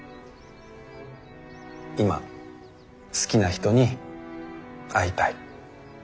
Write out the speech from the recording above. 今好きな人に会いたい。